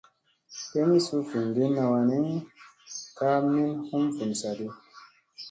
Kemi suu vinɗinna wan ni, ka min hum vun saaɗi.